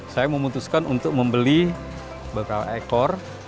saya memutuskan untuk membeli beberapa ekor